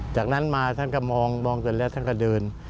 จากนั้นมาท่านก็มองเสร็จแล้วท่านก็เดิน